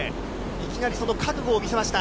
いきなりその覚悟を見せました。